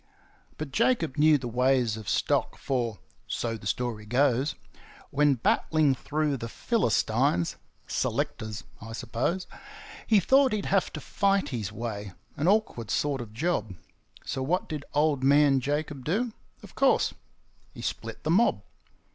But Jacob knew the ways of stock, for (so the story goes) When battling through the Philistines selectors, I suppose He thought he'd have to fight his way, an awkward sort of job; So what did Old Man Jacob do? of course, he split the mob.